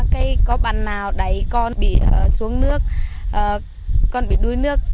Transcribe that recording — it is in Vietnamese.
cái có bạn nào đẩy con bị xuống nước con bị đuôi nước